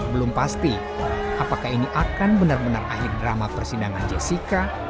belum pasti apakah ini akan benar benar akhir drama persidangan jessica